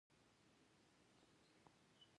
بامیان د افغانستان د طبیعي پدیدو یو بل ښکلی رنګ دی.